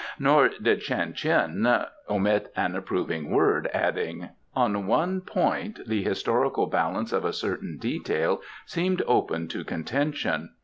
Nor did Shan Tien omit an approving word, adding: "On one point the historical balance of a certain detail seemed open to contention.